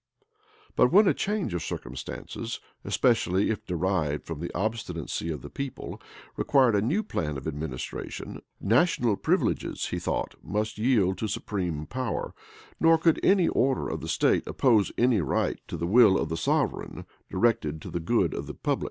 But when a change of circumstances, especially if derived from the obstinacy of the people, required a new plan of administration, national privileges, he thought, must yield to supreme power; nor could any order of the state oppose any right to the will of the sovereign, directed to the good of the public.